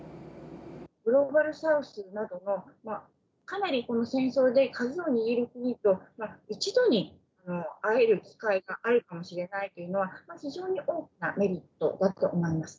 グローバルサウスなどのかなりこの戦争で鍵を握る国と、一度に会える機会があるかもしれないというのは、非常に大きなメリットだと思います。